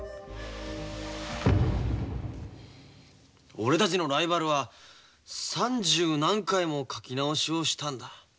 俺たちのライバルは三十何回も描き直しをしたんだ。